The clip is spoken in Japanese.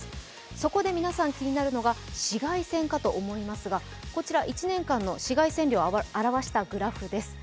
そこで皆さん気になるのが紫外線かと思いますがこちら１年間の紫外線量を表したグラフです。